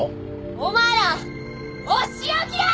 お前らお仕置きだー！！